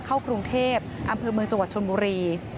เข้ากรุงเทพอำเภอเมืองจังหวัดชนบุรี